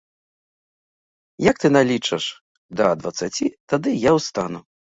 Як ты налічыш да дваццаці, тады я ўстану.